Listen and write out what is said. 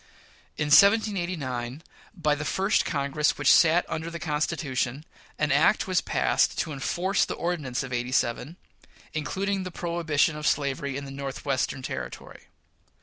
In 1789, by the first Congress which sat under the Constitution, an act was passed to enforce the Ordinance of '87, including the prohibition of slavery in the Northwestern Territory.